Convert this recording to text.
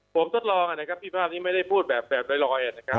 ผมทดลองอ่ะนะครับพี่ฟาบนี่ไม่ได้พูดแบบแบบเรียบร้อยอ่ะนะครับ